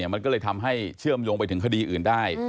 มันก็เลยทำให้เชื่อมโยงไปถึงคดีอื่นได้